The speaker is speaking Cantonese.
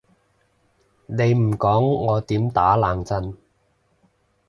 你唔講我點打冷震？